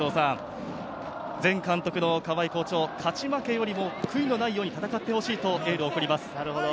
前監督の川合校長、勝ち負けよりも悔いのないように戦ってほしいとエールを送ります。